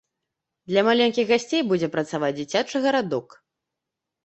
Для маленькіх гасцей будзе працаваць дзіцячы гарадок.